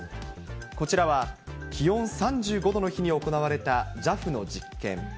こちらは気温３５度の日に行われたＪＡＦの実験。